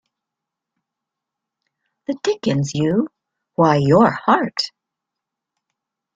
The dickens you — Why, you're Hart!